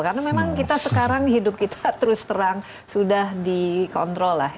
karena memang kita sekarang hidup kita terus terang sudah dikontrol lah